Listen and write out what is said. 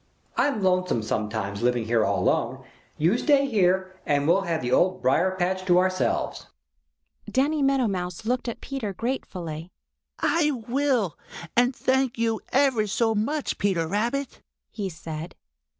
I'm lonesome sometimes, living here all alone. You stay here, and we'll have the Old Briar patch to ourselves." Danny Meadow Mouse looked at Peter gratefully. "I will, and thank you ever so much, Peter Rabbit," he said.